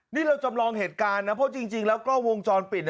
นี่เราจำลองเหตุการณ์นะเพราะจริงแล้วกล้องวงจรปิด